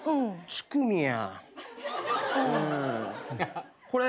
チュクミや。